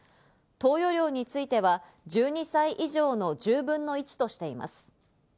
投与量については１２歳以上の１０分の１としています。